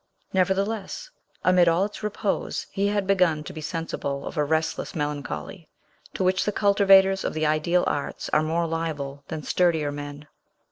Nevertheless, amid all its repose, he had begun to be sensible of a restless melancholy, to which the cultivators of the ideal arts are more liable than sturdier men.